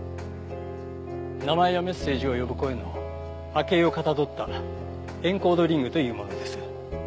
名前やメッセージを呼ぶ声の波形をかたどったエンコードリングというものです。